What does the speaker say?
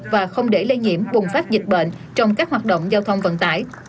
và không để lây nhiễm bùng phát dịch bệnh trong các hoạt động giao thông vận tải